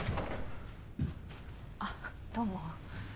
あっどうも。